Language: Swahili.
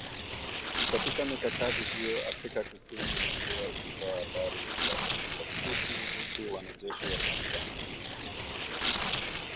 Katika mikakati hiyo Afrika kusini ilikuwa ikitoa habari za ujasusi huku wanajeshi wa Tanzania